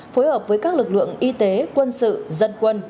phối hợp với các lực lượng y tế quân sự dân quân